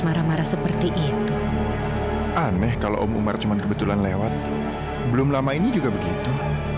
marah marah seperti itu aneh kalau om umar cuman kebetulan lewat belum lama ini juga begitu